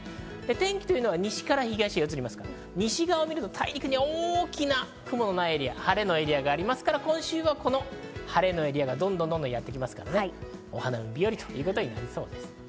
天気は西から東へ移りますから、西側に大きな雲の前に晴れのエリアがありますから、今週はこの晴れのエリアがどんどんやってきますから、お花見日和ということになりそうです。